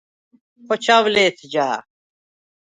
ხოჩა̄ვ ლე̄თ ჯა̄რხ!